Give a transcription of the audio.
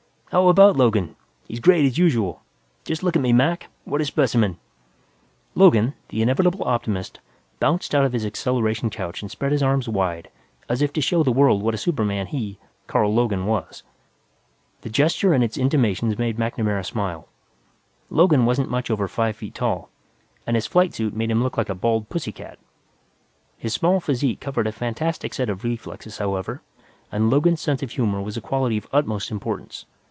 "How about Logan? He's great, as usual. Just look at me, Mac. What a specimen!" Logan, the inevitable optimist, bounced out of his acceleration couch and spread his arms wide as if to show the world what a superman he, Carl Logan, was. The gesture and its intimations made MacNamara smile. Logan wasn't much over five feet tall, and his flight suit made him look like a bald pussycat. His small physique covered a fantastic set of reflexes, however, and Logan's sense of humor was a quality of utmost importance.